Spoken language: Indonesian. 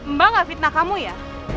mbak nggak fitnah kamu ya